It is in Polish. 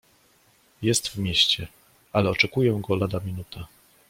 "Jest w mieście, ale oczekuję go lada minuta."